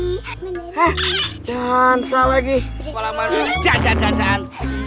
hai jangan salah lagi malam malam jangan jangan jangan